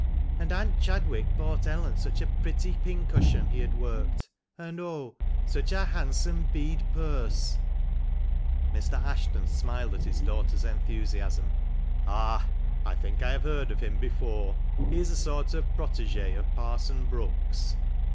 And Aunt Chadwick bought Ellen such a pretty pincushion he had worked, and, oh ! such a handsome bead purse !" Mr. Ashton smiled at his daughter's enthusiasm. " Ah ! I think I have heard of him before ; he is a sort of protigt of Parson Brookes."